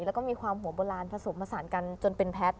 แล้วก็มีความหัวโบราณผสมผสานกันจนเป็นแพทย์